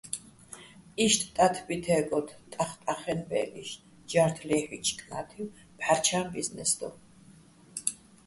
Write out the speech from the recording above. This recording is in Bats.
იშტ ტათბი თე́გოდო̆ ტახტახაჲნო̆ ბე́ლიშ ჯართ ლეჰ̦ჲუჲჩო̆ კნა́თივ, "ფჰ̦არჩა́ჼ ბიზნეს" დო.